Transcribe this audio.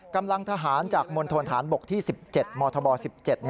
กำลังทหารจากมณฑนฐานบกที่๑๗มธบ๑๗